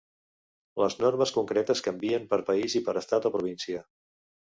Les normes concretes canvien per país i per estat o província.